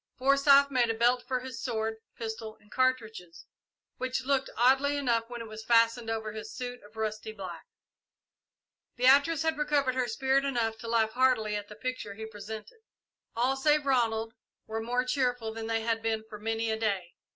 Forsyth made a belt for his sword, pistol, and cartridges, which looked oddly enough when it was fastened over his suit of rusty black. Beatrice had recovered her spirit enough to laugh heartily at the picture he presented. All save Ronald were more cheerful than they had been for many a day.